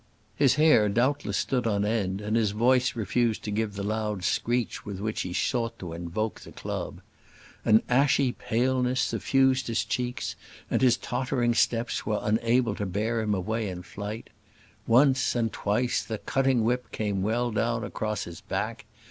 His hair doubtless stood on end, and his voice refused to give the loud screech with which he sought to invoke the club. An ashy paleness suffused his cheeks, and his tottering steps were unable to bear him away in flight. Once, and twice, the cutting whip came well down across his back.